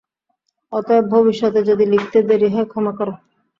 অতএব ভবিষ্যতে যদি লিখতে দেরী হয় ক্ষমা কর।